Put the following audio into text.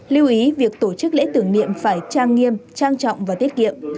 lưu ý việc tổ chức lễ tưởng niệm phải trang nghiêm trang trọng và tiết kiệm